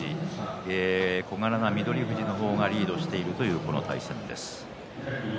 小柄な翠富士の方がリードしているというこの対戦です。